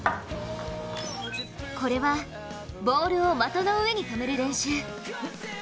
これは、ボールを的の上に止める練習。